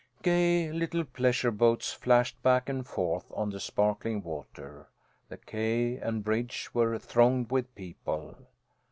Gay little pleasure boats flashed back and forth on the sparkling water. The quay and bridge were thronged with people.